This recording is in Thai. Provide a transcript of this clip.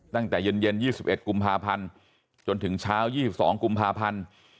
ตั้งแต่เย็น๒๑กุมภาพันธ์จนถึงเช้า๒๒กุมภาพันธ์